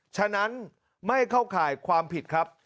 ฉะนั้นไม่เข้าข่ายความผิดครับ